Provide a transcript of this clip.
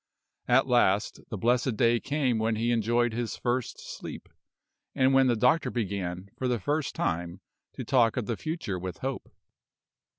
At last; the blessed day came when he enjoyed his first sleep, and when the doctor began, for the first time, to talk of the future with hope.